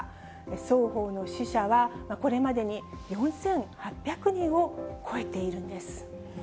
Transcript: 双方の死者は、これまでに４８００人を超えているんです。